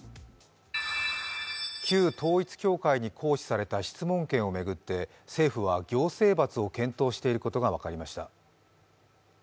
旧統一教会に行使された質問権を巡って政府は行政罰を検討していることが分かりました。